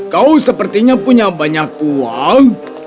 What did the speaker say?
kau sepertinya punya banyak uang